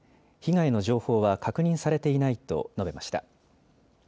被害の情報は確認されていないと述べました。